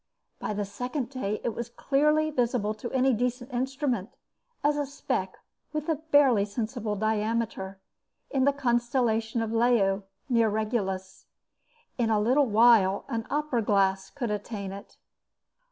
By the second day it was clearly visible to any decent instrument, as a speck with a barely sensible diameter, in the constellation Leo near Regulus. In a little while an opera glass could attain it.